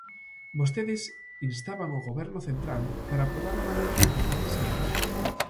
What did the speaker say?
Vostedes instaban o Goberno central para aprobar unha lei de igualdade salarial.